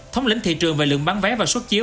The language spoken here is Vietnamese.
thống lĩnh thị trường về lượng bán vé và xuất chiếu